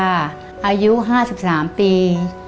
อายุ๕๓ปี